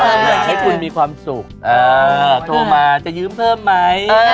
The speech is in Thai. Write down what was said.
อยากให้คุณมีความสุขโทรมาจะยืมเพิ่มไหม